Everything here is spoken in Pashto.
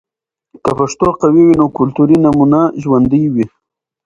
که پښتو قوي وي، نو کلتوري نمونه ژوندۍ وي.